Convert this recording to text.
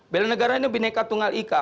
bela negara ini bineka tunggal ika